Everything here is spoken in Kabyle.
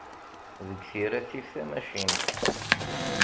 Deg tira tif tamacint.